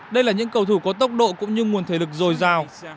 đây là những cầu thủ có tốc độ cũng như nguồn thể lực dồi dào